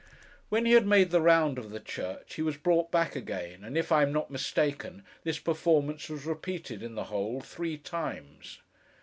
When he had made the round of the church, he was brought back again, and if I am not mistaken, this performance was repeated, in the whole, three times.